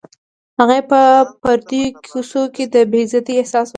هغې په پردیو کوڅو کې د بې عزتۍ احساس وکړ